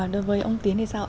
đối với ông tiến thì sao